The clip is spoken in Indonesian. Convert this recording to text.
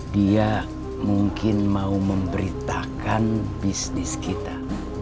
dia mungkin mau memberitakan bisnis kita